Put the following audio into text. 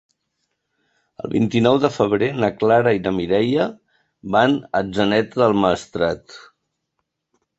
El vint-i-nou de febrer na Clara i na Mireia van a Atzeneta del Maestrat.